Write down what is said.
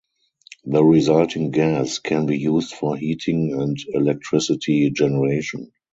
The resulting gas can be used for heating and electricity generation.